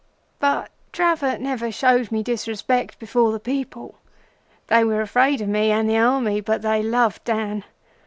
"But Dravot never showed me disrespect before the people. They were afraid of me and the Army, but they loved Dan.